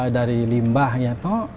dari limbah ya